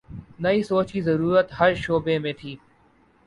نئی سوچ کی ضرورت ہر شعبے میں تھی۔